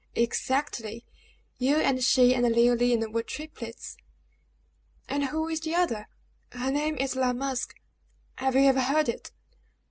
"Exactly. You and she, and Leoline, were triplets!" "And who is the other?" "Her name is La Masque. Have you ever heard it?"